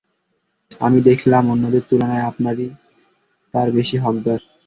আমি দেখলাম, অন্যদের তুলনায় আপনারাই তার বেশী হকদার।